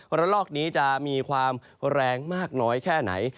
ระลอกนี้จะมีความแรงมากน้อยแค่ไหน